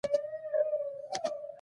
تر نظر پورې يې هېڅ ده د دنيا واړه.